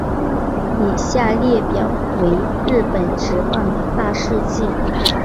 以下列表为日本职棒的大事纪。